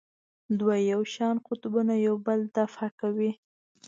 دوه یو شان قطبونه یو بل دفع کوي.